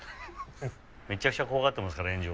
・めちゃくちゃ怖がっていますから炎上。